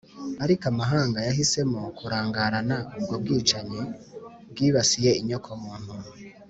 ariko amahanga yahisemo kurangarana ubwo bwicanyi bwibasiye inyoko muntu.